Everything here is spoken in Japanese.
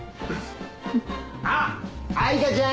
あっ藍花ちゃん！